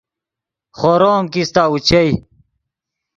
خورو ام کیستہ اوچئے